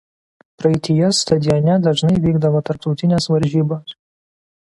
Praeityje stadione dažnai vykdavo tarptautinės varžybos.